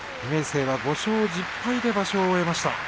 明生は５勝１０敗で場所を終えました。